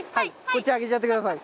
こっち上げちゃってください。